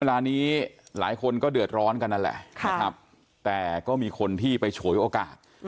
เวลานี้หลายคนก็เดือดร้อนกันนั่นแหละนะครับแต่ก็มีคนที่ไปฉวยโอกาส